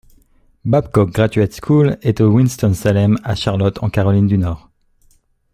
Babcock Graduate School est au Winston-Salem, à Charlotte en Caroline du Nord.